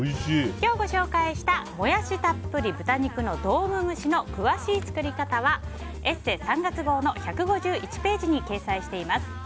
今日ご紹介した、モヤシたっぷり豚肉のドーム蒸しの詳しい作り方は「ＥＳＳＥ」３月号の１５１ページに掲載しています。